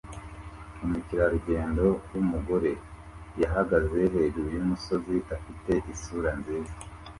Umukerarugendo wumugore yahagaze hejuru yumusozi afite isura nziza